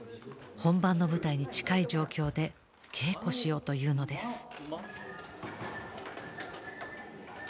本番の舞台に近い状況で稽古しようというのです。